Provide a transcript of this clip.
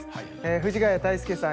藤ヶ谷太輔さん